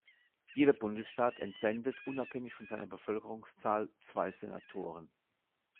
Jeder Bundesstaat entsendet, unabhängig von seiner Bevölkerungszahl, zwei Senatoren.